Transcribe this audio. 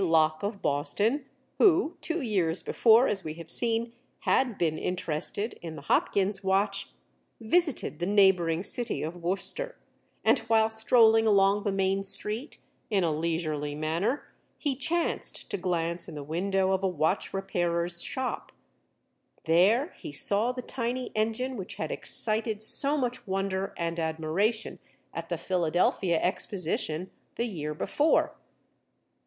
Locke, of Boston, who two years before, as we have seen, had been interested in the Hopkins' watch, visited the neighboring city of Worcester, and while strolling along the main street, in a leisurely manner, he chanced to glance in the window of a watch repairer's shop. There he saw the tiny engine which had excited so much wonder and admiration at the Philadelphia exposition the year before.